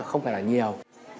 không phải là nhiều